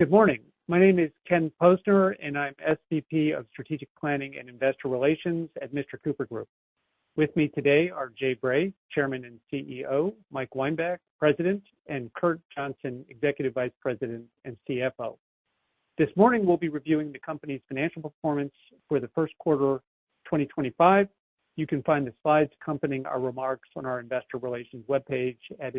Good morning. My name is Ken Posner and I'm SVP of Strategic Planning and Investor Relations at Mr Cooper Group. With me today are Jay Bray, Chairman and CEO, Mike Weinbach, President, and Kurt Johnson, Executive Vice President and CFO. This morning we'll be reviewing the Company's financial performance for the first quarter 2025. You can find the slides accompanying our remarks on our Investor Relations webpage at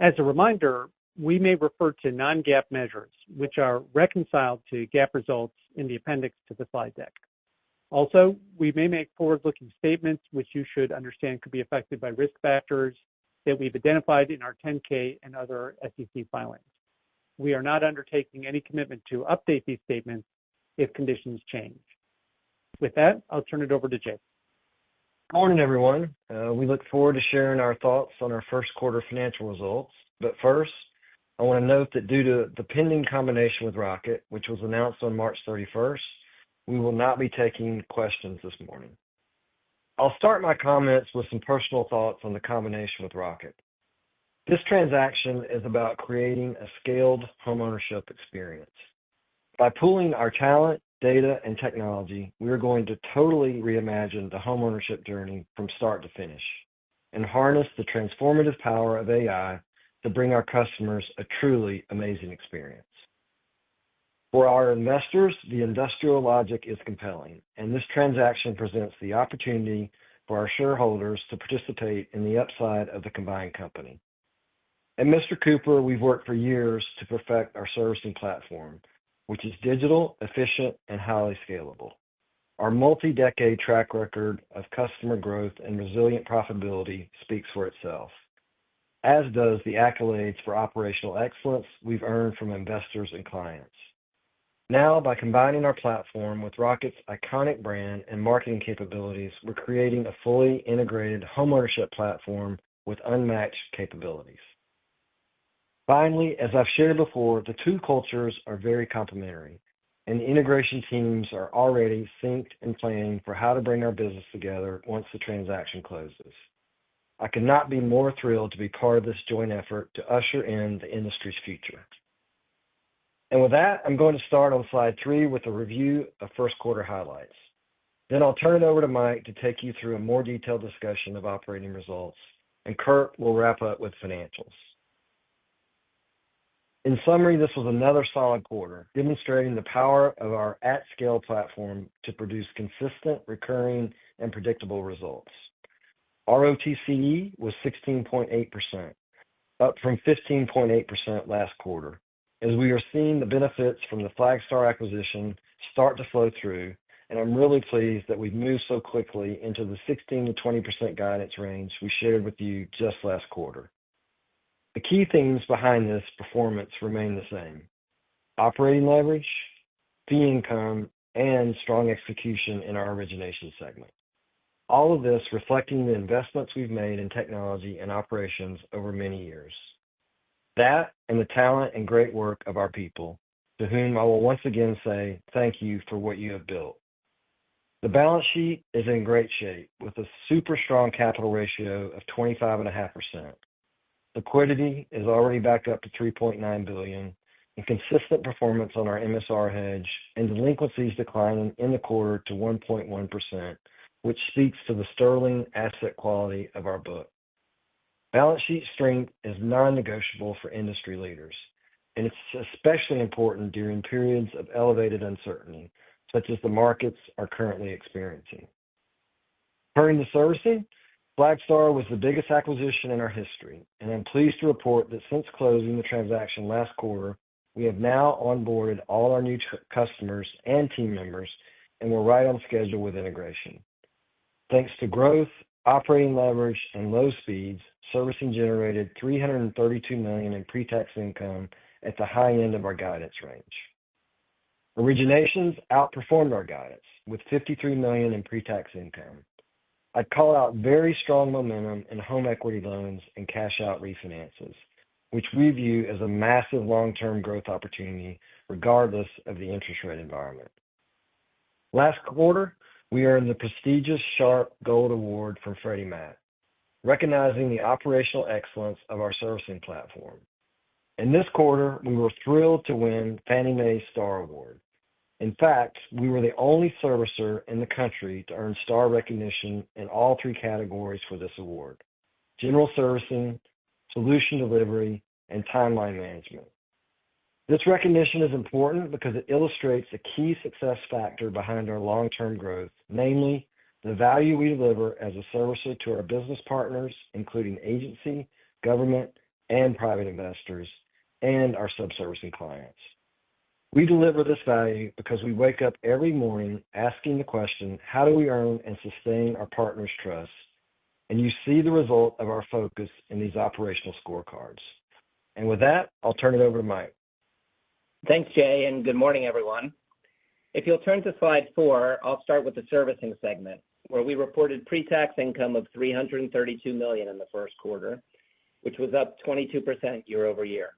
Investors. As a reminder, we may refer to non-GAAP measures which are reconciled to GAAP results in the appendix to the slide deck. Also, we may make forward-looking statements which you should understand could be affected by risk factors that we've identified in our 10-K and other SEC filings. We are not undertaking any commitment to update these statements if conditions change. With that, I'll turn it over to. Good morning everyone. We look forward to sharing our thoughts on our first quarter financial results. First I want to note that due to the pending combination with Rocket, which was announced on March 31, we will not be taking questions this morning. I will start my comments with some personal thoughts on the combination with Rocket. This transaction is about creating a scaled homeownership experience by pooling our talent, data and technology. We are going to totally reimagine the homeownership journey from start to finish and harness the transformative power of AI to bring our customers a truly amazing experience for our investors. The industrial logic is compelling and this transaction presents the opportunity for our shareholders to participate in the upside of the combined company. At Mr. Cooper, we have worked for years to perfect our servicing platform which is digital, efficient and highly scalable. Our multi decade track record of customer growth and resilient profitability speaks for itself, as does the accolades for operational excellence we've earned from investors and clients. Now, by combining our platform with Rocket's iconic brand and marketing capabilities, we're creating a fully integrated homeownership platform with unmatched capabilities. Finally, as I've shared before, the two cultures are very complementary and the integration teams are already synced and planning for how to bring our business together once the transaction closes. I could not be more thrilled to be part of this joint effort to usher in the industry's future. With that, I'm going to start on slide three with a review of first quarter highlights. Then I'll turn it over to Mike to take you through a more detailed discussion of operating results and Kurt will. Wrap up with financials. In summary, this was another solid quarter demonstrating the power of our at scale platform to produce consistent, recurring, and predictable results. ROTCE was 16.8%, up from 15.8% last quarter. As we are seeing the benefits from the Flagstar acquisition start to flow through, and I'm really pleased that we've moved so quickly into the 16-20% guidance range we shared with you just last quarter. The key themes behind this performance remain the same: operating leverage, fee income, and strong execution in our origination segment. All of this reflecting the investments we've made in technology and operations over many years. That and the talent and great work of our people, to whom I will once again say thank you for what you have built. The balance sheet is in great shape with a super strong capital ratio of 25.5%, liquidity is already back up to $3.9 billion and consistent performance on our MSR hedge and delinquencies declining in the quarter to 1.1% which speaks to the sterling asset quality of our book. Balance sheet strength is non negotiable for industry leaders and it's especially important during periods of elevated uncertainty such as the markets are currently experiencing. Turning to Servicing, Flagstar was the biggest acquisition in our history and I'm pleased to report that since closing the transaction last quarter we have now onboarded all our new customers and team members and we're right on schedule with integration. Thanks to growth, operating leverage and low speeds, servicing generated $332 million in pre tax income at the high end of our guidance range. Originations outperformed our guidance with $53 million in pre tax income. I call out very strong momentum in home equity loans and cash out refinances which we view as a massive long term growth opportunity regardless of the interest rate environment. Last quarter we earned the prestigious Sharp Gold Award from Freddie Mac recognizing the operational excellence of our servicing platform. In this quarter we were thrilled to win Fannie Mae's Star Award. In fact, we were the only servicer in the country to earn Star recognition in all three categories for this award: General Servicing, Solution Delivery, and Timeline Management. This recognition is important because it illustrates a key success factor behind our long term growth, namely the value we deliver as a servicer to our business partners including agency, government and private investors and our subservicing clients. We deliver this value because we wake up every morning asking the question how do we earn and sustain our partners' trust and you see the result of our focus in these operational scorecards. With that I'll turn it over to Mike. Thanks Jay and good morning everyone. If you'll turn to slide 4, I'll start with the servicing segment where we reported pre tax income of $332 million in the first quarter, which was up 22% year over year.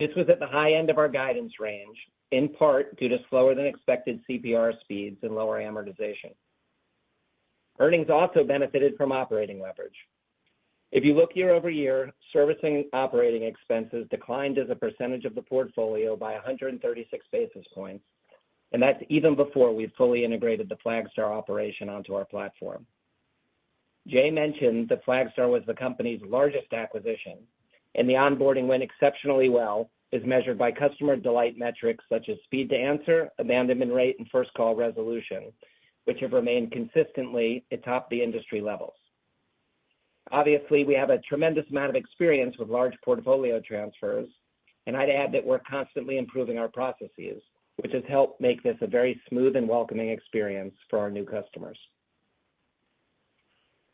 This was at the high end of our guidance range, in part due to slower than expected CPR speeds and lower amortization. Earnings also benefited from operating leverage. If you look year over year, servicing operating expenses declined as a percentage of the portfolio by 136 basis points, and that's even before we fully integrated the Flagstar operation onto our platform. Jay mentioned that Flagstar was the company's largest acquisition and the onboarding went exceptionally well as measured by customer delight metrics such as speed to answer, abandonment rate and first call resolution, which have remained consistently atop the industry levels. Obviously we have a tremendous amount of experience with large portfolio transfers, and I'd add that we're constantly improving our processes, which has helped make this a very smooth and welcoming experience for our new customers.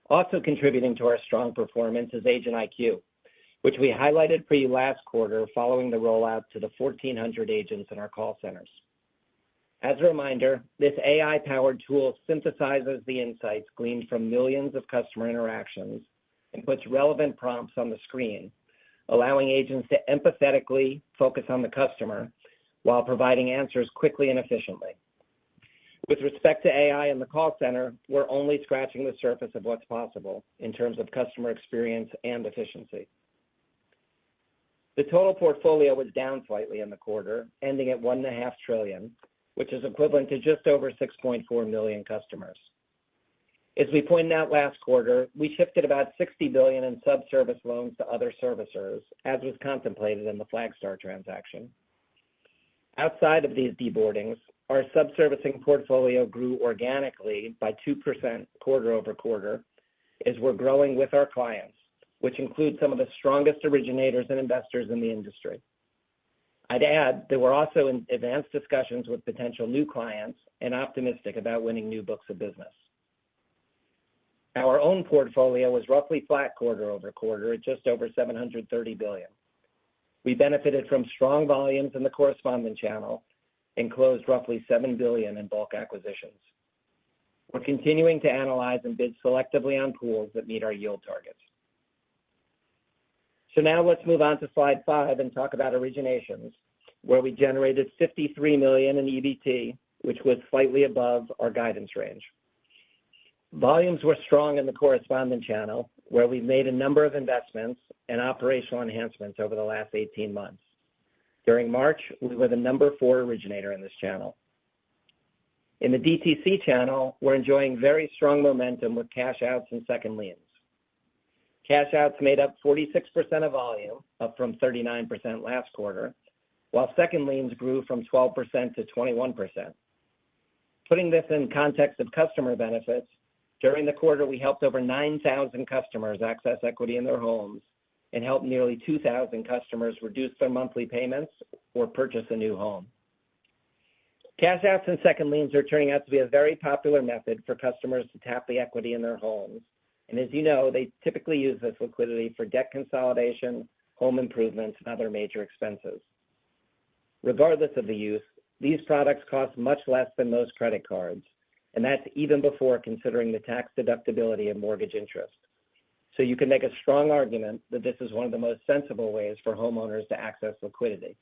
Also contributing to our strong performance is Agent IQ, which we highlighted for you last quarter following the rollout to the 1,400 agents in our call centers. As a reminder, this AI powered tool synthesizes the insights gleaned from millions of customer interactions and puts relevant prompts on the screen, allowing agents to empathetically focus on the customer while providing answers quickly and efficiently. With respect to AI and the call center, we're only scratching the surface of what's possible in terms of customer experience and efficiency. The total portfolio was down slightly in the quarter ending at $1.5 trillion, which is equivalent to just over 6.4 million customers. As we pointed out last quarter, we shifted about $60 billion in subservice loans to other servicers, as was contemplated in the Flagstar transaction. Outside of these deboardings, our subservicing portfolio grew organically by 2% quarter over quarter as we're growing with our clients, which include some of the strongest originators and investors in the industry. I'd add that we're also in advanced discussions with potential new clients and optimistic about winning new books of business. Our own portfolio was roughly flat quarter over quarter at just over $730 billion. We benefited from strong volumes in the Correspondent Channel and closed roughly $7 billion in bulk acquisitions. We're continuing to analyze and bid selectively on pools that meet our yield targets. Now let's move on to Slide 5 and talk about originations, where we generated $53 million in EBT, which was slightly above our guidance range. Volumes were strong in the Correspondent Channel, where we've made a number of investments and operational enhancements over the last 18 months. During March, we were the number four originator in this channel. In the DTC channel, we're enjoying very strong momentum with cash outs and second liens. Cash outs made up 46% of volume from 39% last quarter, while second liens grew from 12% to 21%. Putting this in context of customer benefits, during the quarter we helped over 9,000 customers access equity in their homes and helped nearly 2,000 customers reduce their monthly payments or purchase a new home. Cash outs and second liens are turning out to be a very popular method for customers to tap the equity in their homes and, as you know, they typically use this liquidity for debt consolidation, home improvements and other major expenses. Regardless of the use, these products cost much less than most credit cards and that's even before considering the tax deductibility of mortgage interest. You can make a strong argument that this is one of the most sensible ways for homeowners to access liquidity.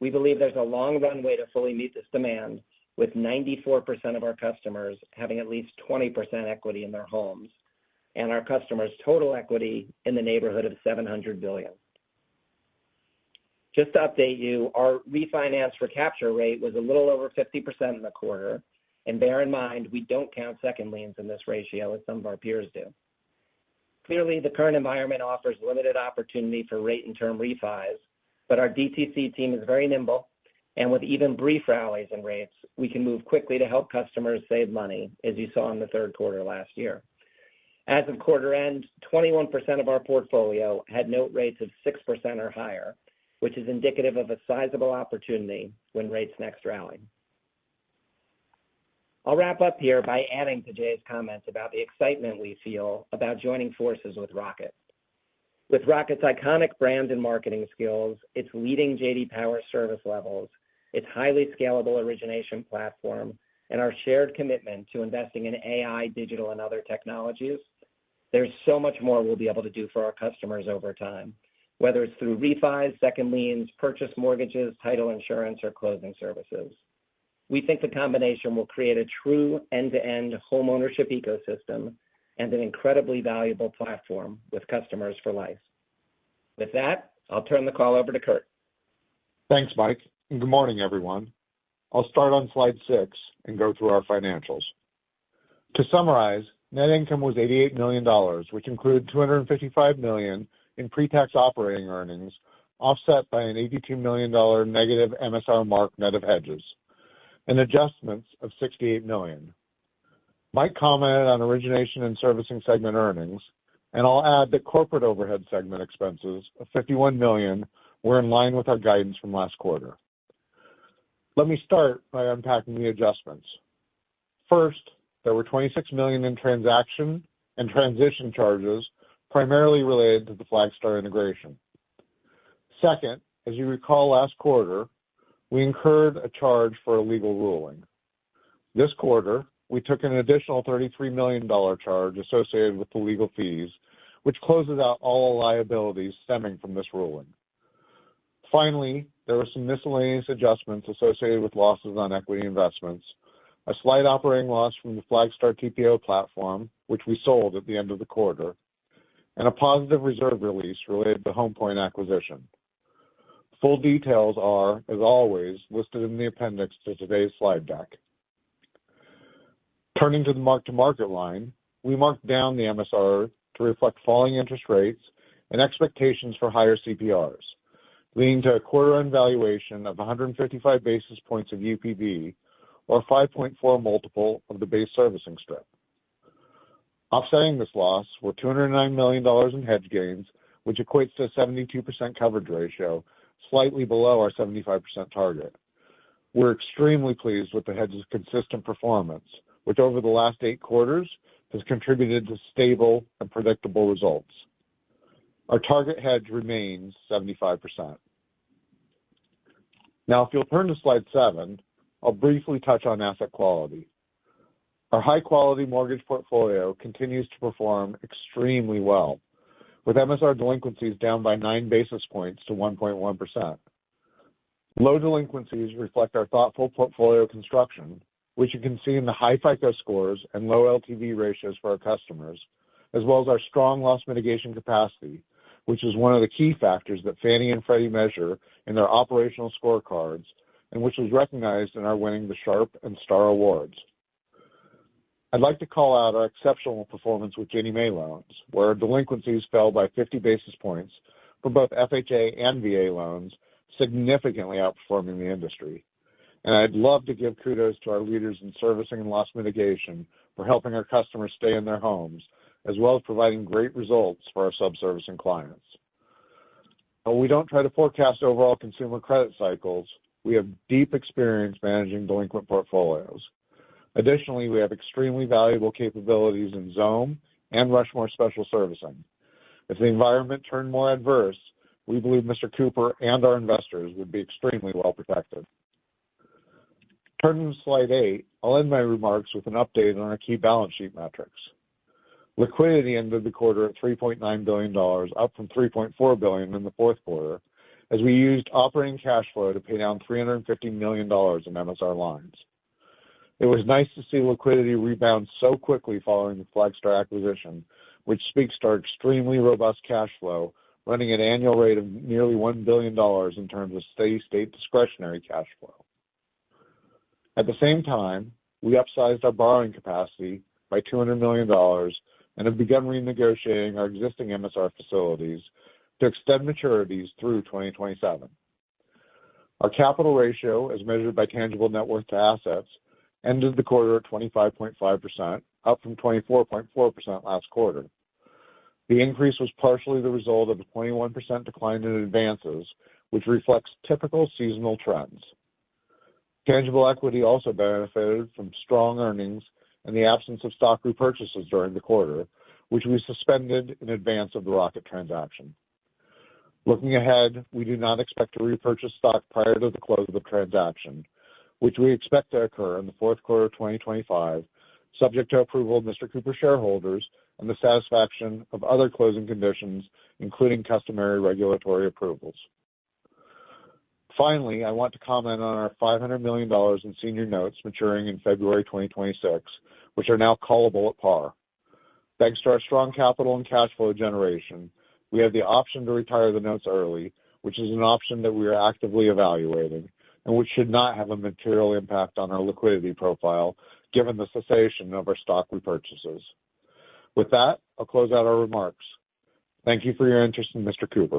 We believe there's a long run way to fully meet this demand with 94% of our customers having at least 20% equity in their homes and our customers' total equity in the neighborhood of $700 billion. Just to update you, our refinance recapture rate was a little over 50% in the quarter and bear in mind we don't count second liens in this ratio as some of our peers do. Clearly the current environment offers limited opportunity for rate and term refis, but our DTC team is very nimble and with even brief rallies in rates we can move quickly to help customers save money. As you saw in the third quarter last year, as of quarter end, 21% of our portfolio had note rates of 6% or higher, which is indicative of a sizable opportunity when rates next rally. I'll wrap up here by adding to Jay's comments about the excitement we feel about joining forces with Rocket. With Rocket's iconic brand and marketing skills, its leading JD Power service levels, its highly scalable origination platform, and our shared commitment to investing in AI, digital and other technologies, there's so much more we'll be able to do for our customers over time. Whether it's through refis, second liens, purchase mortgages, title insurance or closing services, we think the combination will create a true end-to-end homeownership ecosystem and an incredibly valuable platform with customers for life. With that, I'll turn the call over to Kurt. Thanks Mike and good morning everyone. I'll start on slide six and go through our financials. To summarize, net income was $88 million, which included $255 million in pre tax operating earnings offset by an $82 million negative MSR mark net of hedges and adjustments of $68 million. Mike commented on origination and servicing segment earnings and I'll add that corporate overhead segment expenses of $51 million were in line with our guidance from last quarter. Let me start by unpacking the adjustments. First, there were $26 million in transaction and transition charges primarily related to the Flagstar integration. Second, as you recall last quarter we incurred a charge for a legal ruling. This quarter we took an additional $33 million charge associated with the legal fees which closes out all liabilities stemming from this ruling. Finally, there were some miscellaneous adjustments associated with losses on equity investments, a slight operating loss from the Flagstar TPO platform which we sold at the end of the quarter, and a positive reserve release related to the Home Point acquisition. Full details are as always listed in the appendix to today's slide deck. Turning to the mark to market line, we marked down the MSR to reflect falling interest rates and expectations for higher CPRs leading to a quarter end valuation of 155 basis points of UPB or 5.4 multiple of the base servicing strip. Offsetting this loss were $209 million in hedge gains which equates to a 72% coverage ratio, slightly below our 75% target. We are extremely pleased with the hedge's consistent performance which over the last eight quarters has contributed to stable and predictable results. Our target hedge remains 75%. Now if you'll turn to slide 7, I'll briefly touch on asset quality. Our high quality mortgage portfolio continues to perform extremely well with MSR delinquencies down by 9 basis points to 1.1%. Low delinquencies reflect our thoughtful portfolio construction which you can see in the high FICO scores and low LTV ratios for our customers, as well as our strong loss mitigation capacity which is one of the key factors that Fannie Mae and Freddie Mac measure in their operational scorecards and which was recognized in our winning the Sharp and Star awards. I'd like to call out our exceptional performance with Ginnie Mae loans where delinquencies fell by 50 basis points for both FHA and VA loans, significantly outperforming the industry. I'd love to give kudos to our leaders in servicing and loss mitigation for helping our customers stay in their homes as well as providing great results for our subservicing clients. We don't try to forecast overall consumer credit cycles. We have deep experience managing delinquent portfolios. Additionally, we have extremely valuable capabilities in Xome and Rushmore Special Servicing. If the environment turned more adverse, we believe Mr. Cooper and our investors would be extremely well protected. Turning to slide 8, I'll end my remarks with an update on our key balance sheet metrics. Liquidity ended the quarter at $3.9 billion, up from $3.4 billion in the fourth quarter as we used operating cash flow to pay down $350 million in MSR lines. It was nice to see liquidity rebound so quickly following the Flagstar acquisition, which speaks to our extremely robust cash flow running at an annual rate of nearly $1 billion in terms of steady state discretionary cash flow. At the same time, we upsized our borrowing capacity by $200 million and have begun renegotiating our existing MSR facilities to extend maturities through 2027. Our capital ratio, as measured by tangible net worth to assets, ended the quarter at 25.5%, up from 24.4% last quarter. The increase was partially the result of a 21% decline in advances, which reflects typical seasonal trends. Tangible equity also benefited from strong earnings and the absence of stock repurchases during the quarter, which we suspended in advance of the Rocket transaction. Looking ahead, we do not expect to repurchase stock prior to the close of the transaction, which we expect to occur in the fourth quarter of 2025, subject to approval of Mr. Cooper shareholders and the satisfaction of other closing conditions, including customary regulatory approvals. Finally, I want to comment on our $500 million in senior notes maturing in February 2026, which are now callable at par. Thanks to our strong capital and cash flow generation, we have the option to retire the notes early, which is an option that we are actively evaluating and which should not have a material impact on our liquidity profile given the cessation of our stock repurchases. With that, I'll close out our remarks. Thank you for your interest in Mr. Cooper.